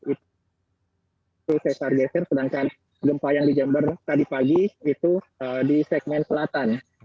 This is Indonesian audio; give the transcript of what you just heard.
itu sesar geser sedangkan gempa yang di jember tadi pagi itu di segmen selatan